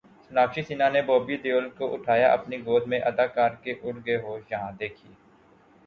سوناکشی سنہا نے بابی دیول کو اٹھایا اپنی گود میں اداکار کے اڑ گئے ہوش، یہاں دیکھئے